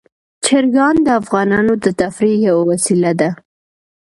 چرګان د افغانانو د تفریح یوه وسیله ده.